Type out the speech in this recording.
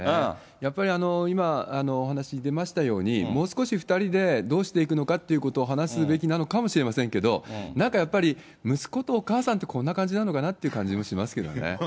やっぱり今、お話に出ましたように、もう少し２人でどうしていくのかということを話していくべきなのかもしれませんけれども、なんかやっぱり、息子とお母さんってこんな感じなのかなっていう感じもしますけどね。